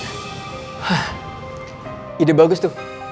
hah ide bagus tuh